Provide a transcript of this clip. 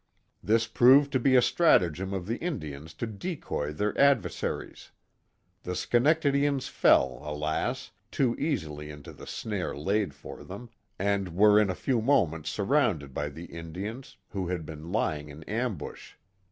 This proved to be a stratagem of the Indians to decoy their ad versaries. The Schenectadians fell, alas I too easily into the snare laid for them, and were in a few moments surrounded by the In dians, who had been lying in ambush.